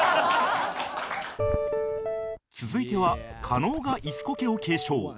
続いては加納が椅子コケを継承